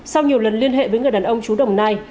sau nhiều lần liên hệ với người đàn ông chú đồng nai